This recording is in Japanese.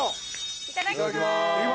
いただきます！